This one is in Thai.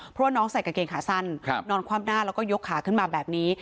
เพราะว่าน้องใส่กางเกงขาสั้นนอนคว่ำหน้าแล้วก็ยกขาขึ้นมาแบบนี้